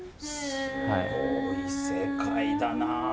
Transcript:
すごい世界だな。